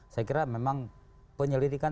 saya kira memang penyelidikan